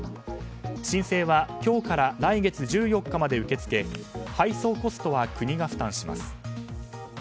申請は今日から来月１４日まで受け付け配送コストは国が負担します。